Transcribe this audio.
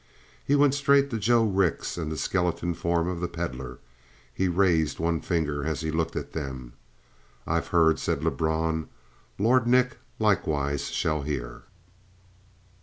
He went straight to Joe Rix and the skeleton form of the Pedlar. He raised one finger as he looked at them. "I've heard," said Lebrun. "Lord Nick likewise shall hear."